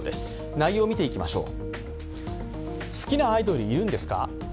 内容見ていきましょう。